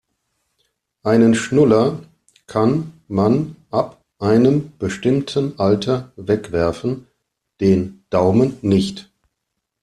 Einen Schnuller kann man ab einem bestimmten Alter wegwerfen, den Daumen nicht.